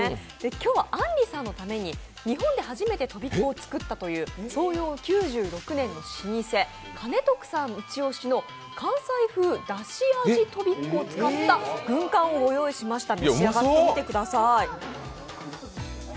今日は、あんりさんのために日本で初めてとびっこを作ったという創業９６年の老舗、かね徳さんの関西風だし味とびっこを使った軍艦を用意しました。